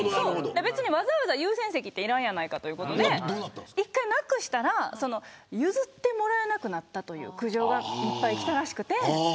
わざわざ優先席っていらんやないかということで１回なくしたら譲ってもらえなくなったという苦情がいっぱい来たらしくて。